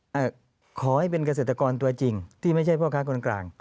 ขอให้เป็นเกษตรกรตัวจริงที่ไม่ใช่พ่อค้าคนกลาง